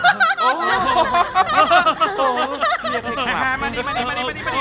มาดี